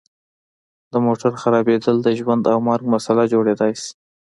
د موټر خرابیدل د ژوند او مرګ مسله جوړیدای شي